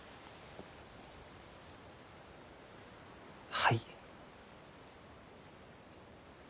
はい。